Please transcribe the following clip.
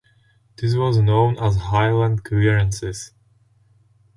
This was known as the Highland Clearances.